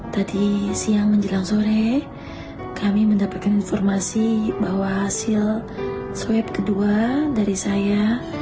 tadi siang menjelang sore kami mendapatkan informasi bahwa hasil swab kedua dari saya